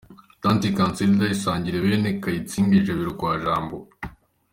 Tante Cansilida isangire bene Kayitsinga ijabiro kwa Jambo.